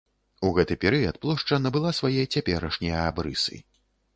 У гэты перыяд плошча набыла свае цяперашнія абрысы.